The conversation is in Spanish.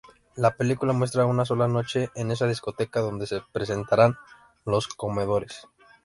La película muestra una sola noche en esa discoteca donde se presentarán "Los Commodores".